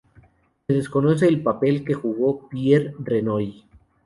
Se desconoce el papel que jugó Pierre Renoir.